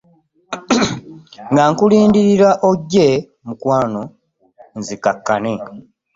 Nga nkulindirira ojje mukwano nzikakkane.